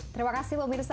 terima kasih pemirsa